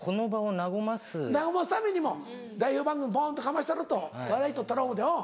和ますためにも代表番組ポンとかましたろと笑いとったろ思ってうん。